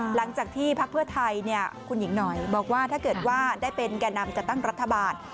หลังจากที่พักเพื่อไทยคุณหญิงหน่อยบอกว่าถ้าเกิดว่าได้เป็นแก่นำจัดตั้งรัฐบาล